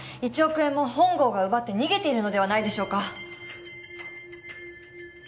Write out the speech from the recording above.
１億円も本郷が奪って逃げているのではないでしょうか。